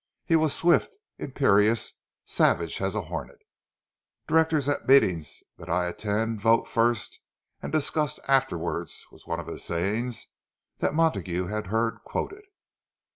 He was swift, imperious, savage as a hornet. "Directors at meetings that I attend vote first and discuss afterward," was one of his sayings that Montague had heard quoted.